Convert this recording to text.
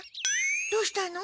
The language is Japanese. どうしたの？